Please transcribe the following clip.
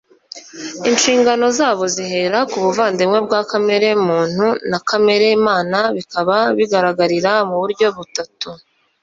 Inshingano zabo zihera ku buvandimwe bwa kamere muntu na kamere mana bikaba bigaragarira mu buryo butatu